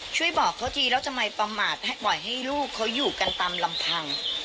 ช่วยบอกเขาทีแล้วทำไมประมาทปล่อยให้ลูกเขาอยู่กันตามลำพัง